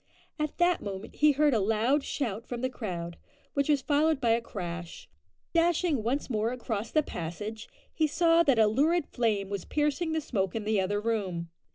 At that moment he heard a loud shout from the crowd, which was followed by a crash. Dashing once more across the passage, he saw that a lurid flame was piercing the smoke in the other room.